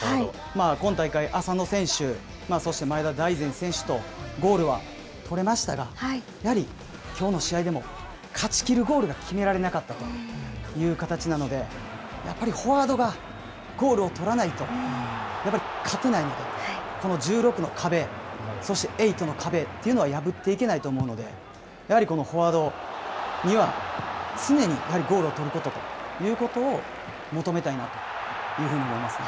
今大会、浅野選手、そして前田大然選手と、ゴールは取れましたが、やはりきょうの試合でも勝ちきるゴールが決められなかったという形なので、やっぱりフォワードがゴールを取らないと、やっぱり勝てないので、この１６の壁、そしてエイトの壁というのは破っていけないと思うので、やはりこのフォワードには、常にやはりゴールを取ることということを、求めたいなというふうに思いますね。